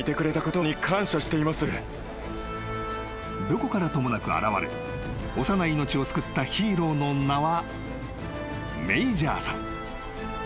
［どこからともなく現れ幼い命を救ったヒーローの名はメイジャーさん］